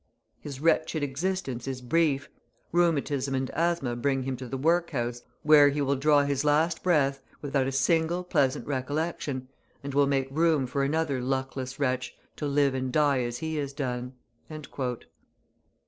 His wretched existence is brief, rheumatism and asthma bring him to the workhouse, where he will draw his last breath without a single pleasant recollection, and will make room for another luckless wretch to live and die as he has done."